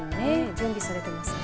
準備されていますね。